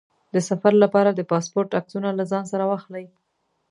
د سفر لپاره د پاسپورټ عکسونه له ځان سره واخلئ.